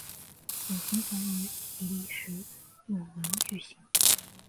本循环于比利时鲁汶举行。